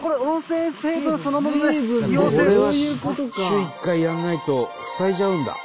週１回やらないと塞いじゃうんだ。